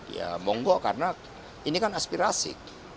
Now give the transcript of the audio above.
ya monggo karena ini kan aspirasi